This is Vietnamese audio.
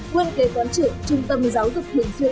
quân kế toán trưởng trung tâm giáo dục hình xuyên